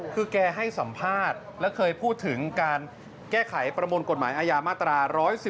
คือแกให้สัมภาษณ์และเคยพูดถึงการแก้ไขประมวลกฎหมายอาญามาตรา๑๑๒